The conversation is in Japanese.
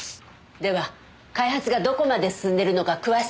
では開発がどこまで進んでるのか詳しく。